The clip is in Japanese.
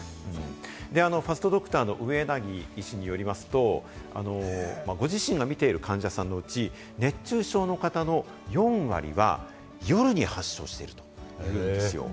ファストドクターの上柳医師によりますと、ご自身が診ている患者さんのうち、熱中症の方の４割は夜に発症しているということなんですよ。